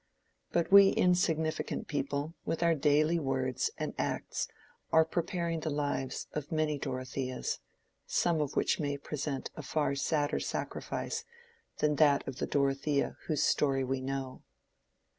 But we insignificant people with our daily words and acts are preparing the lives of many Dorotheas, some of which may present a far sadder sacrifice than that of the Dorothea whose story we know.